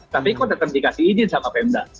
tapi kok tetap dikasih izin sama pemda